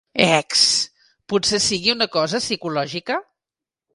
Ecs! Potser sigui una cosa psicològica?